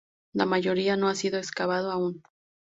La mayoría no ha sido excavado aún.